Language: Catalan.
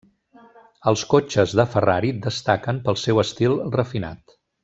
Els cotxes de Ferrari destaquen pel seu estil refinat.